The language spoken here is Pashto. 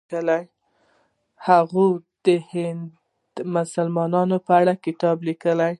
هغې د هند د مسلمانانو په اړه کتاب لیکلی دی.